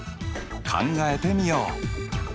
考えてみよう。